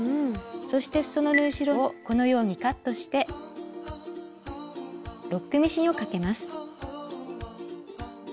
そしてすその縫い代をこのようにカットしてロックミシンをかけます。